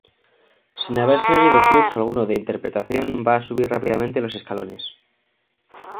Sin haber seguido curso alguno de interpretación va a subir rápidamente los escalones.